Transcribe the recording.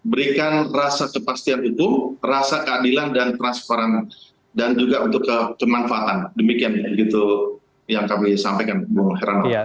berikan rasa kepastian itu rasa keadilan dan transparan dan juga untuk kemanfaatan demikian begitu yang kami sampaikan bung herano